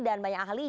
dan banyak ahli